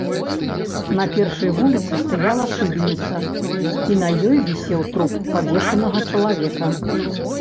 На першай вуліцы стаяла шыбеніца, і на ёй вісеў труп павешанага чалавека.